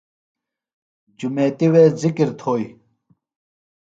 جُمیتیۡ وے ذکِر تھوئی